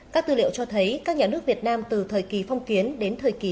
các tư liệu cho thấy các nhà nước việt nam từ thời kỳ phong kiến đến thời kỳ